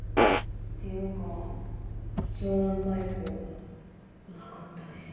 っていうか超音波エコーうまかったね。